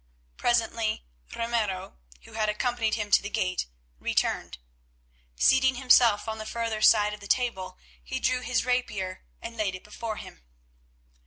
Presently Ramiro, who had accompanied him to the gate, returned. Seating himself on the further side of the table, he drew his rapier and laid it before him.